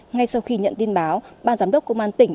ngay sau khi nhận tin báo ba giám đốc công an tỉnh